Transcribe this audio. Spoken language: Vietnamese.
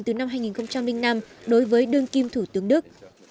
từ năm hai nghìn năm đối với đương kim thủ tướng đức